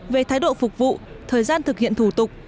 về thái độ phục vụ thời gian thực hiện thủ tục